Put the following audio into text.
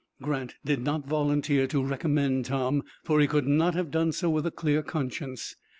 Grant did not volunteer to recommend Tom, for he could not have done so with a clear conscience.